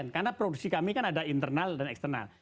karena produksi kami kan ada internal dan eksternal